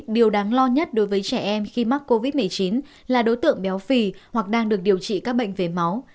điều đáng lo nhất đối với trẻ em khi mắc covid một mươi chín là đối tượng béo phì hoặc đang được điều trị các bệnh về máu